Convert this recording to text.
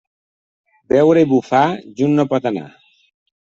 Beure i bufar junt no pot anar.